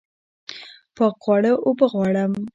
پاک خواړه اوبه غواړم